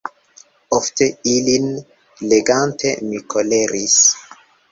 Ofte, ilin legante, mi koleris.